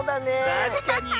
たしかに。